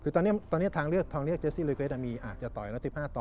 คือตอนนี้ทางเลือกเจสซี่ลูยเดอร์เกรสอาจจะต่อยรุ่น๑๑๕ต่อ